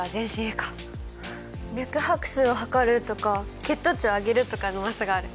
「脈拍数を計る」とか「血糖値を上げる」とかのマスがある。